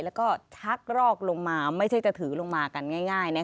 แล้วก็ทักรอกลงมาไม่ใช่จะถือลงมากันง่าย